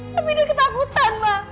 tapi dia ketakutan ma